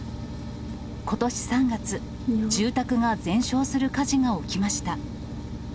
ことし３月、住宅が全焼する火事が起きました。